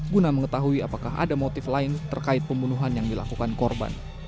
guna mengetahui apakah ada motif lain terkait pembunuhan yang dilakukan korban